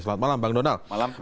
selamat malam bang donald